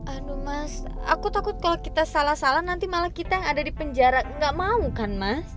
aduh mas aku takut kalau kita salah salah nanti malah kita yang ada di penjara nggak mau kan mas